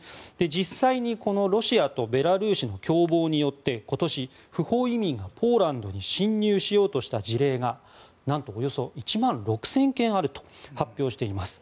実際にロシアとベラルーシの共謀によって今年、不法移民がポーランドに侵入しようとした事例がなんとおよそ１万６０００件あると発表しています。